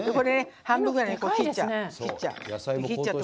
半分ぐらい切っちゃう。